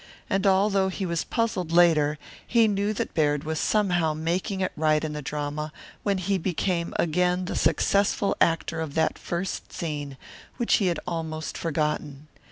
And, although he was puzzled later, he knew that Baird was somehow making it right in the drama when he became again the successful actor of that first scene, which he had almost forgotten.